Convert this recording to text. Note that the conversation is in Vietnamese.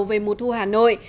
về mùa thu hà nội